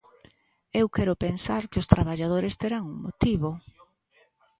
Eu quero pensar que os traballadores terán un motivo...